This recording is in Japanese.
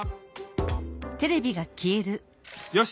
よし！